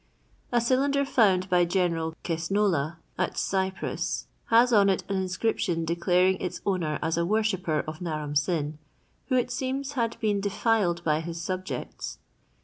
A cylinder found by General Cesnola, at Cyprus has on it an inscription declaring its owner as a worshipper of Naram Sin, who it seems had been deified by his subjects.